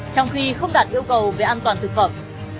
trong khi không đạt yêu cầu về an toàn thực phẩm